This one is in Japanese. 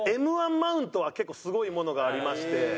Ｍ−１マウントは結構すごいものがありまして。